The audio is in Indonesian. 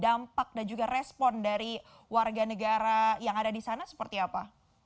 dampak dan juga respon dari warga negara yang ada di sana seperti apa